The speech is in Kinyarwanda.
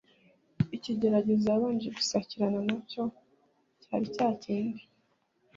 Ikigeragezo yabanje gusakirana na cyo cyari cya kindi